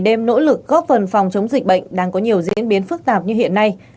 đêm nỗ lực góp phần phòng chống dịch bệnh đang có nhiều diễn biến phức tạp như hiện nay